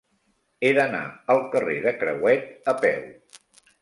He d'anar al carrer de Crehuet a peu.